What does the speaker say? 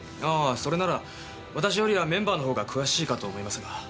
ああそれなら私よりはメンバーのほうが詳しいかと思いますが。